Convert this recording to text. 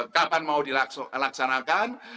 kapan mau dilaksanakan